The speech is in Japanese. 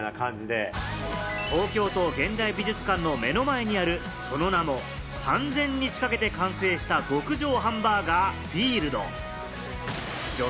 東京都現代美術館の目の前にある、その名も、「３０００日かけて完成した極上ハンバーガーＦｉｅｌｄ」。